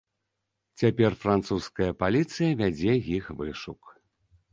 Цяпер французская паліцыя вядзе іх вышук.